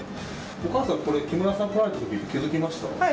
お母さん、木村さん来られた時気づきました？